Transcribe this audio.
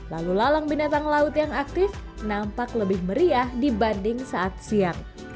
lalu lalang binatang laut yang aktif nampak lebih meriah dibanding saat siang